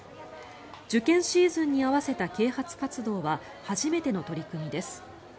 受験シーズンに合わせた啓発活動は初めての取り組みです。